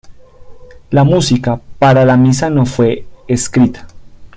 La música para la misa no fue escrita.